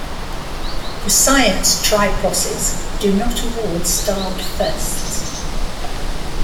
The science Triposes do not award Starred Firsts.